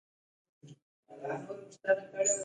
د دنیا بام له هوټل سره یې را وګرځولو.